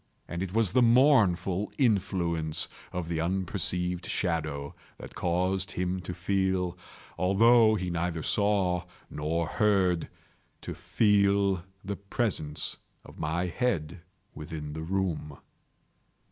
And it was the mournful influence of the unperceived shadow that caused him to feel—although he neither saw nor heard—to feel the presence of my head within the room.